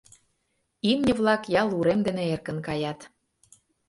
Имне-влак ял урем дене эркын каят.